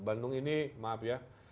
bandung ini maaf ya